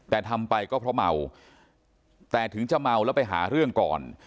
แต่ทำไปก็เพราะเมาแต่ถึงจะเมาแล้วไปหาเรื่องก่อน